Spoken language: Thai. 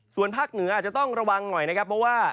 ส่วนภาคเหนืออาจจะต้องระวังหน่อยนะครับเพราะว่า